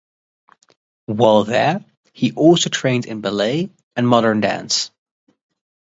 While there he also trained in ballet and modern dance.